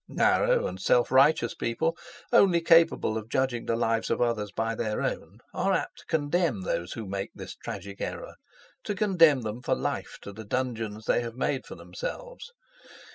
Narrow and self righteous people, only capable of judging the lives of others by their own, are apt to condemn those who make this tragic error, to condemn them for life to the dungeons they have made for themselves.